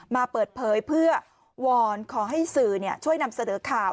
มาเปิดเผยเพื่อวอนขอให้สื่อช่วยนำเสนอข่าว